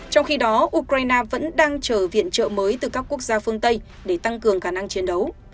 trong khi đó ukraine vẫn đang chờ viện trợ mới từ các quốc gia phương tây để tăng cường khả năng chiến đấu